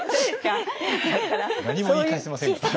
何も言い返せませんね。